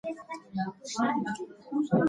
موږ په پسرلي کې د ګلانو ننداره کوو.